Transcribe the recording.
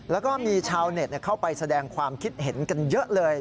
แล้วก็มีชาวเน็ตเข้าไปแสดงความคิดเห็นกันเยอะเลย